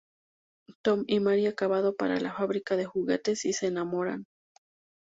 Tom y Mary acabado para la fábrica de juguetes y se enamoran.